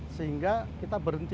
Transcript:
sehingga kita berhenti